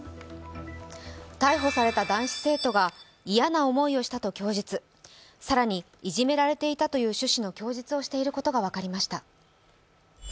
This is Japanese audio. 逮捕された男子生徒が嫌な思いをしたと供述、更に、いじめられていたという趣旨の供述をしていることが分かりました。